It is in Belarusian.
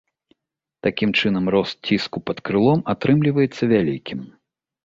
Такім чынам, рост ціску пад крылом атрымліваецца вялікім.